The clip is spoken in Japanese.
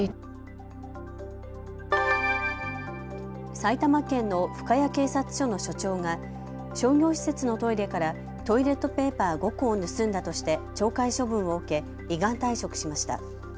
埼玉県の深谷警察署の署長が商業施設のトイレからトイレットペーパー５個を盗んだとして懲戒処分を受け依願退職しました。